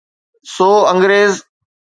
سو انگريز.